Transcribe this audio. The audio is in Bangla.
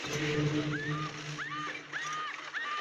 ধরে নাও-না প্রাণের গরজেই।